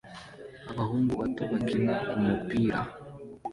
Abahungu bato bakina umupira